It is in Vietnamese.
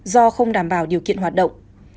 do không đảm bảo điều kiện hoạt động